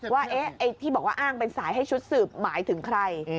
ว่าที่บอกว่าอ้างเป็นสายให้ชุดสืบหมายถึงใคร